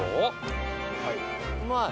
うまい！